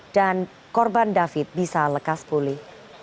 dan korban david bisa lekas pulih